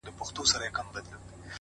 د مقدسي فلسفې د پيلولو په نيت _